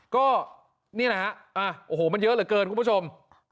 ก็นี่แหละฮะโอ้โหมันเยอะเหลือเกินคุณผู้ชม